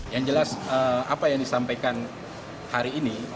yang jelas apa yang disampaikan hari ini